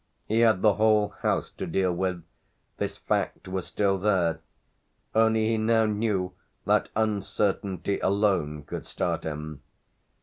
He had the whole house to deal with, this fact was still there; only he now knew that uncertainty alone could start him.